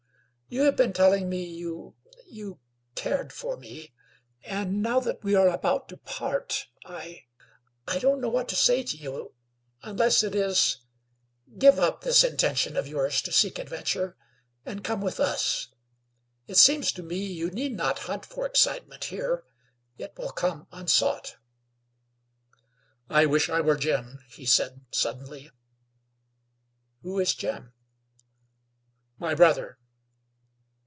You have been telling me you you cared for me, and now that we are about to part I I don't know what to say to you unless it is: Give up this intention of yours to seek adventure, and come with us. It seems to me you need not hunt for excitement here; it will come unsought." "I wish I were Jim," said he, suddenly. "Who is Jim?" "My brother."